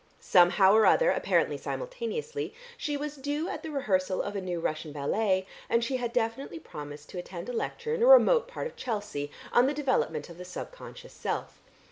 Somehow or other, apparently simultaneously, she was due at the rehearsal of a new Russian ballet, and she had definitely promised to attend a lecture in a remote part of Chelsea on the development of the sub conscious self.